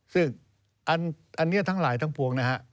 ซึ่งอันนี้ทั้งหลายทั้งพวก